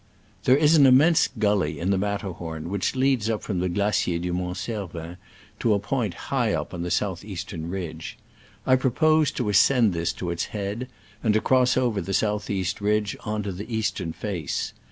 There is an immense gully in the Mat terhorn which leads up from the Glacier du Mont Cervin to a point high up on the south eastern ridge. I proposed to ascend this to its head, and to cross over the south east ridge on to the eastern face.